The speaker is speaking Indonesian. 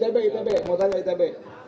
tb itb mau tanya itb